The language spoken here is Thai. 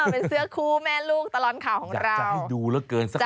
เป็นเสื้อคูแม่ลูกตลอดข่าวของเรา